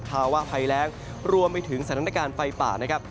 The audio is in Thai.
ภาวะไภแร้งรวมไปถึงสถานการณ์ไฟป่า